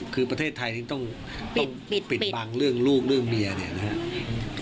คือประเทศไทยถึงต้องปิดบังเรื่องลูกเรื่องเมียเนี่ยนะครับ